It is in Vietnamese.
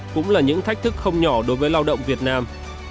cũng là những thách thức không nhỏ đối với lao động việt nam